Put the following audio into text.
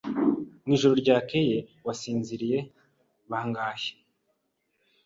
Mwijoro ryakeye wasinziriye bangahe?